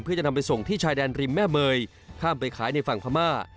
เพื่อจะนำไปส่งที่ชายแดนริมแม่เมยข้ามไปขายในฝั่งพม่า